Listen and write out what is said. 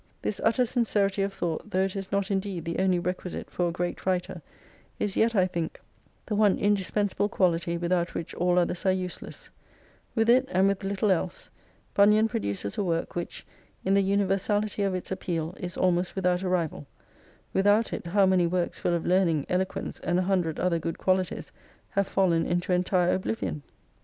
This utter sincerity of thought, though it is not indeed the only requisite for a great writer, is yet, I think, the one indispensable quality without which all others are useless, With it and with little else, Bunyan produces a work which, in the universality of its appeal, is almost without a rival : without it, how many works full of learning, eloquence, and a hundred other good qualities, have fallen into entire oblivion